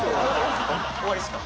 終わりっすか？